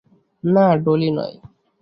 না, ডলি নয়।